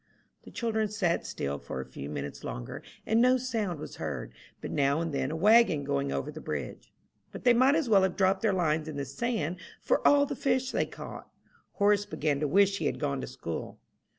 The children sat still for a few minutes longer, and no sound was heard but now and then a wagon going over the bridge. But they might as well have dropped their lines in the sand for all the fish they caught. Horace began to wish he had gone to school.